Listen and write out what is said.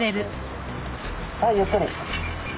はいゆっくり。